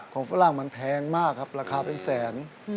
ฝรั่งมันแพงมากครับราคาเป็นแสน